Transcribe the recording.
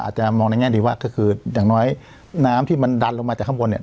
อาจจะมองในแง่ดีว่าก็คืออย่างน้อยน้ำที่มันดันลงมาจากข้างบนเนี่ย